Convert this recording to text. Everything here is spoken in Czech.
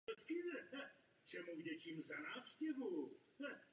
Zalesněno smrkem.